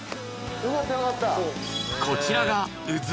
［こちらが］